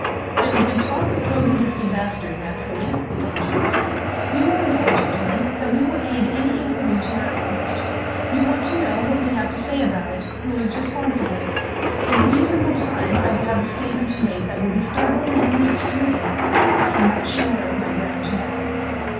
"There has been talk of probing this disaster, naturally," began Jenks. "You all know, gentlemen, that we will aid any inquiry to our utmost. You want to know what we have to say about it who is responsible. In a reasonable time I will have a statement to make that will be startling in the extreme. I am not sure of my ground now."